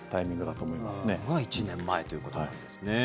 それが１年前ということなんですね。